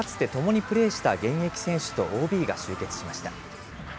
折茂さんとかつて共にプレーした現役選手とＯＢが集結しました。